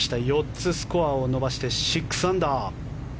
４つスコアを伸ばして６アンダー。